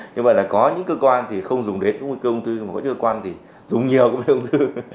như vậy là có những cơ quan thì không dùng đến nguy cơ ung thư có những cơ quan thì dùng nhiều công ty ung thư